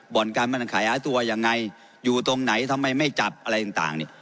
บรรการมันขายอาตัวอย่างไรอยู่ตรงไหนทำไมไม่จับอะไรต่างนี่